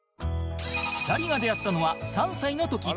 ２人が出会ったのは３歳の時